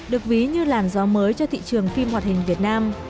được ví như làn gió mới cho thị trường phim hoạt hình việt nam